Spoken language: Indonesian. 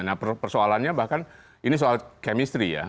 nah persoalannya bahkan ini soal kemistri ya